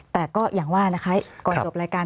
แต่ก็อย่างว่านะคะก่อนจบรายการ